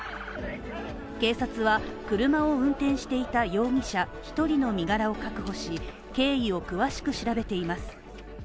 警察は車を運転していた容疑者１人の身柄を確保し、経緯を詳しく調べています。